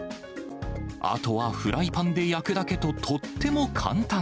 あとはフライパンで焼くだけと、とっても簡単。